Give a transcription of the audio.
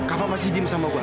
kava masih diem sama gue